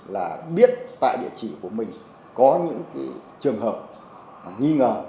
là biết tại địa chỉ của mình có những trường hợp nghi ngờ